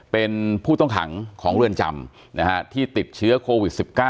เป็นผู้ต้องขังของเรือนจำที่ติดเชื้อโควิด๑๙